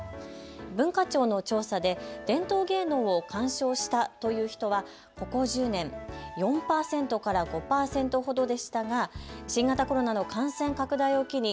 文化庁の調査で伝統芸能を鑑賞したという人はここ１０年、４％から５％ほどでしたが新型コロナの感染拡大を期に